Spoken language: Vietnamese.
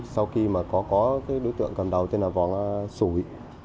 sau khi có đối tượng cầm đầu tên là vòng a sủi